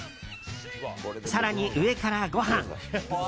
更に、上からご飯。